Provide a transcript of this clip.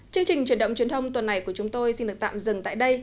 chương trình truyền động truyền thông tuần này của chúng tôi xin được tạm dừng tại đây